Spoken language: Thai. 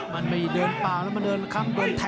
มันมีเดินบ้างแล้วมันเดินคล้ำ